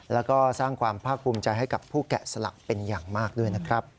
แล้วก็สร้างความภาคภูมิใจให้กับผู้แกะสลักเป็นอย่างมากด้วยนะครับ